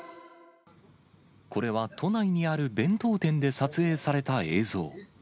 これは都内にある弁当店で撮影された映像。